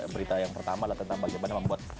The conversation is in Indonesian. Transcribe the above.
berita yang pertama lah tentang bagaimana membuat